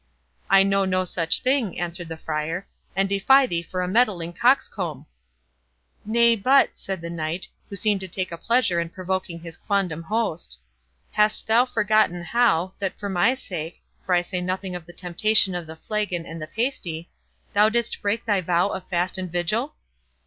"I know no such thing," answered the Friar; "and defy thee for a meddling coxcomb!" "Nay, but," said the Knight, who seemed to take a pleasure in provoking his quondam host, "hast thou forgotten how, that for my sake (for I say nothing of the temptation of the flagon and the pasty) thou didst break thy vow of fast and vigil?"